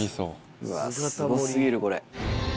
うわすご過ぎるこれ。